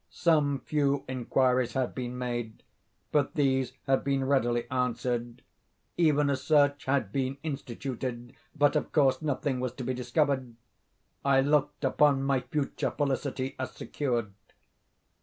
Some few inquiries had been made, but these had been readily answered. Even a search had been instituted—but of course nothing was to be discovered. I looked upon my future felicity as secured.